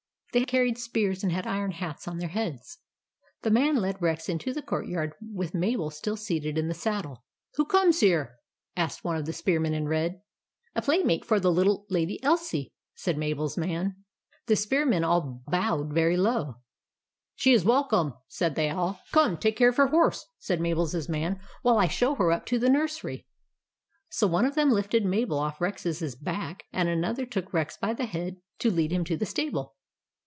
They carried spears and had iron hats on their heads. The man led Rex into the courtyard, with Mabel still seated in the saddle. " Who comes here ?" asked one of the spearmen in red. "A playmate for the little Lady Elsie," said Mabel's man. The spearmen all bowed very low. " She is welcome," said they all. " Come, take care of her horse," said Mabel's man, " while I show her up to the nursery." So one of them lifted Mabel off Rex's back, and another took Rex by the head to lead him to the stable.